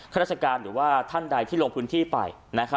ราชการหรือว่าท่านใดที่ลงพื้นที่ไป